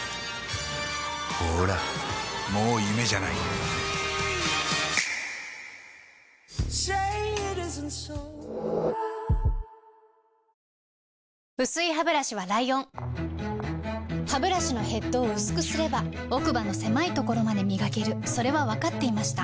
ニトリ薄いハブラシはライオンハブラシのヘッドを薄くすれば奥歯の狭いところまで磨けるそれは分かっていました